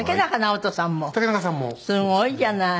すごいじゃない。